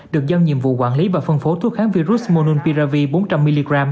được giao nhiệm vụ quản lý và phân phố thuốc kháng virus mononpiravir bốn trăm linh mg